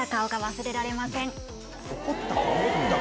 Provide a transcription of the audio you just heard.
怒った顔？